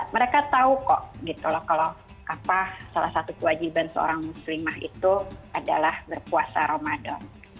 mereka tahu kok gitu loh kalau salah satu kewajiban seorang muslimah itu adalah berpuasa ramadan